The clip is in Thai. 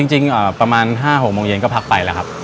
จริงประมาณ๕๖๗ครั้งมงเย็นก็พักไปละครับ